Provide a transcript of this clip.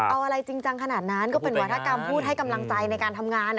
เอาอะไรจริงจังขนาดนั้นก็เป็นวัฒกรรมพูดให้กำลังใจในการทำงาน